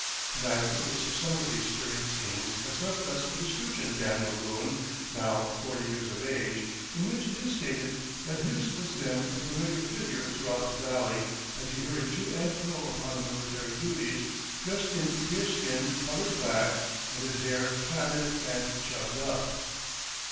An eye witness of some of these stirring scenes has left us a description of Daniel Boone, now forty years of age, in which it is stated that his was then a familiar figure throughout the valley as he hurried to and fro upon his military duties "dressed in deerskin colored black, and his hair plaited and clubbed up."